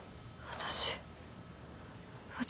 私。